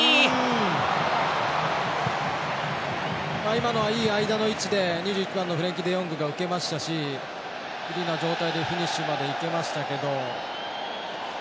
今のはいい間の位置で２１番のフレンキー・デヨングが受けましたし、フリーな状態でフィニッシュまでいけましたけど。